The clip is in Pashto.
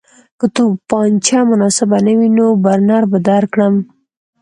که توپانچه مناسبه نه وي نو برنر به درکړم